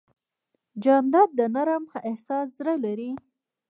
جانداد د نرم احساس زړه لري.